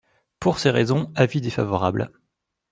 Pour ces raisons, avis défavorable.